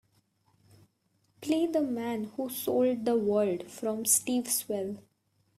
Play the man who sold the world from Steve Swell